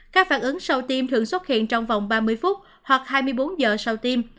các phản ứng sau tiêm thường xuất hiện trong vòng ba mươi phút hoặc hai mươi bốn giờ sau tiêm